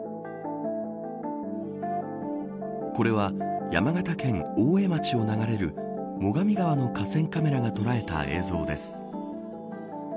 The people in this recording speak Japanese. これは山形県大江町を流れる最上川の河川カメラが捉えた映像です。